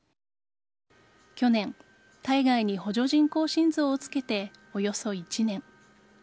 去年、体外に補助人工心臓をつけておよそ１年。